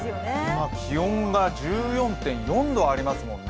今、気温が１４．４度ありますもんね。